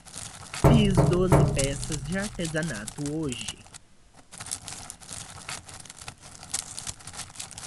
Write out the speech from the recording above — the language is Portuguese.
Fiz doze peças de artesanato hoje.